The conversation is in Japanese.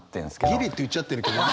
「ギリ」って言っちゃってるけど。